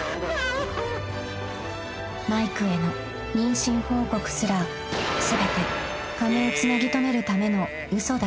［マイクへの妊娠報告すら全て金をつなぎとめるための嘘だったと暴露された］